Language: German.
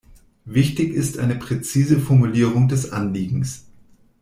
Wichtig ist eine präzise Formulierung des Anliegens.